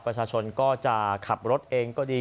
ประชาชนก็จะขับรถเองก็ดี